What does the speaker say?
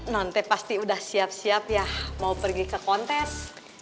nanti pasti udah siap siap ya mau pergi ke kontes